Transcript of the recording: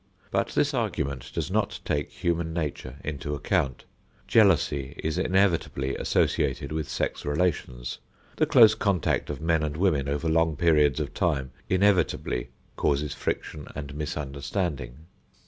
But this argument does not take human nature into account. Jealousy is inevitably associated with sex relations. The close contact of men and women over long periods of time inevitably causes friction and misunderstanding.